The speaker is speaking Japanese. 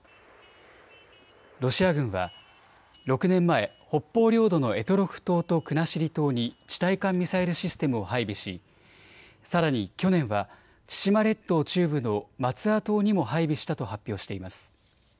ロシア軍は６年前、北方領土の択捉島と国後島に地対艦ミサイルシステムを配備し、さらに去年は千島列島中部のマツア島にも配備したと発表しています。